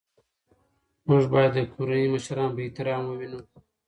موږ باید د کورنۍ مشران په احترام ووینو